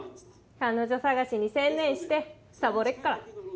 彼女捜しに専念してサボれっから。